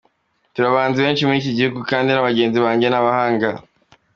Turi abahanzi benshi muri iki gihugu kandi n’abagenzi banjye ni abahanga.